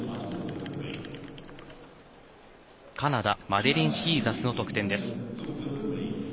カナダマデリン・シーザスの得点です。